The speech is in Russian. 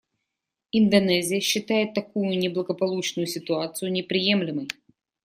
Индонезия считает такую неблагополучную ситуацию неприемлемой.